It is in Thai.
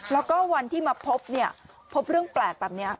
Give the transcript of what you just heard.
แล้วก็วันที่มาพบเนี่ยพบเรื่องแปลกแบบนี้